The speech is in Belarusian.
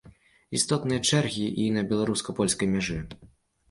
Істотныя чэргі і на беларуска-польскай мяжы.